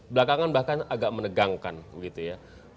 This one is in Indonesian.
belakangan bahkan agak menegangkan gitu ya